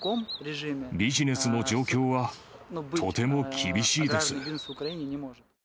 ビジネスの状況は、とても厳しいです。